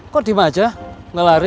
kok di maja ngelari